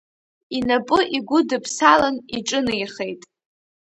Инапы игәыдыԥсалан, иҿынеихеит.